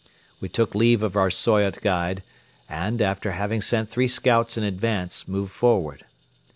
We took leave of our Soyot guide and, after having sent three scouts in advance, moved forward.